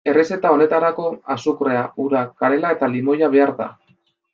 Errezeta honetarako azukrea, ura, kanela eta limoia behar da.